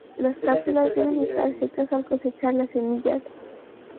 Las cápsulas deben estar secas al cosechar las semillas.